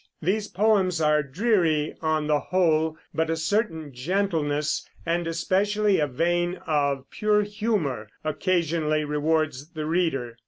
These poems are dreary, on the whole, but a certain gentleness, and especially a vein of pure humor, occasionally rewards the reader.